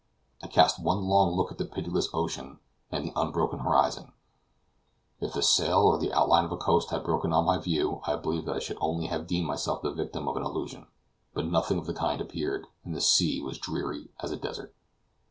I cast one long look at the pitiless ocean and the unbroken horizon; if a sail or the outline of a coast had broken on my view, I believe that I should only have deemed myself the victim of an illusion; but nothing of the kind appeared, and the sea was dreary as a desert.